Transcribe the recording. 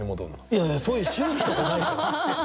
いやいやそういう周期とかないから。